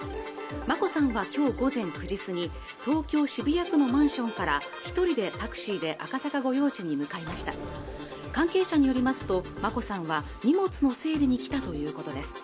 眞子さんはきょう午前９時過ぎ東京渋谷区のマンションから一人でタクシーで赤坂御用地に向かいました関係者によりますと眞子さんは荷物の整理に来たということです